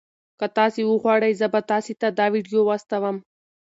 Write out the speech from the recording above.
که تاسي وغواړئ زه به تاسي ته دا ویډیو واستوم.